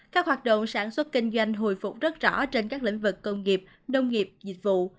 các hoạt động sản xuất kinh doanh hồi phục rất rõ trên các lĩnh vực công nghiệp nông nghiệp dịch vụ